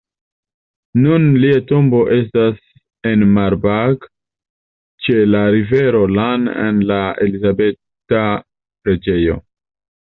Nun lia tombo estas en Marburg ĉe la rivero Lahn en la Elizabeta preĝejo.